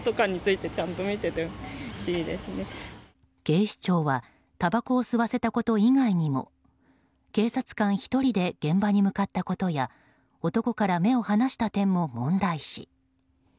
警視庁はたばこを吸わせたこと以外にも警察官１人で現場に向かったことや男から目を離した点も問題視。